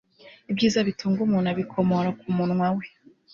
ibyiza bitunga umuntu abikomora ku munwa we